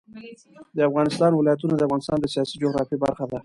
د افغانستان ولايتونه د افغانستان د سیاسي جغرافیه برخه ده.